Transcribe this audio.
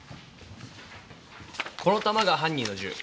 この弾が犯人の銃。